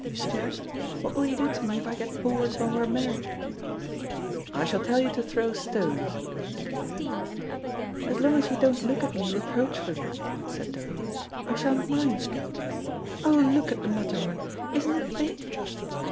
Jack, what will you do to me if I get bored when we're married?" "I shall tell you to throw stones," said he. "As long as you don't look at me reproachfully," said Dodo, "I sha'n't mind. Oh, look at the Matterhorn. Isn't it big?"